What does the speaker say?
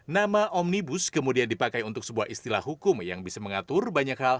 nama omnibus kemudian dipakai untuk sebuah istilah hukum yang bisa mengangkut barang dan orang sekaligus